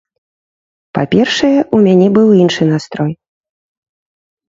Па-першае, у мяне быў іншы настрой.